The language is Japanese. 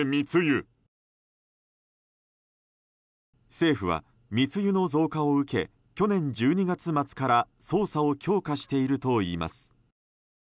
政府は、密輸の増加を受け去年１２月末から捜査を強化しているといいます。